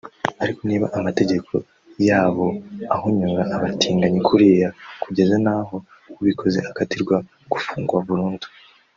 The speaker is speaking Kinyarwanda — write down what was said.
ariko niba amategeko yabo ahonyora abatinganyi kuriya kugeza naho ubikoze akatirwa gufungwa burundu